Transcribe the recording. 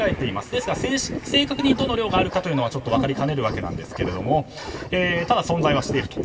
ですから正確にどの量があるかちょっと分かりかねるわけですがただ、存在はしていると。